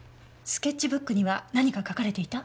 スケッチブックには何か描かれていた？